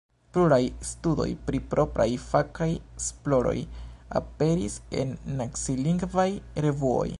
Pluraj studoj pri propraj fakaj esploroj aperis en nacilingvaj revuoj.